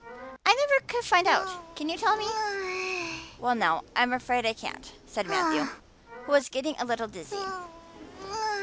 I never could find out. Can you tell me?" "Well now, I'm afraid I can't," said Matthew, who was getting a little dizzy.